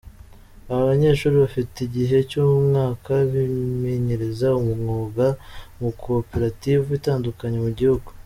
Aba banyeshuri bafite igihe cy’umwaka bimenyereza umwuga mu makoperative atandukanye mu gihugu.